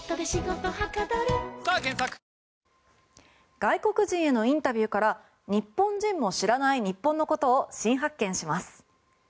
外国人へのインタビューから日本人も知らない日本のことを新発見します！